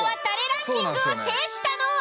ランキングを制したのは。